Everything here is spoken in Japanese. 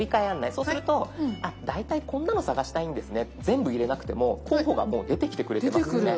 そうすると大体こんなの探したいんですね全部入れなくても候補がもう出てきてくれてます。